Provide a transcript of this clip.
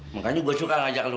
buat ini itu kalau lu